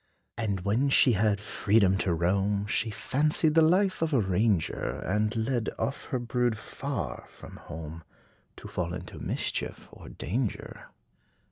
And when she had freedom to roam, She fancied the life of a ranger; And led off her brood, far from home, To fall into mischief or danger.